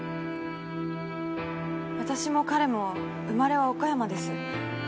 私も彼も生まれは岡山です。